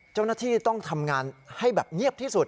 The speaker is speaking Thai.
เจ้าหน้าที่ต้องทำงานให้แบบเงียบที่สุด